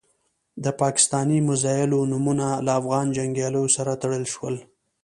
د پاکستاني میزایلو نومونه له افغان جنګیالیو سره تړل شول.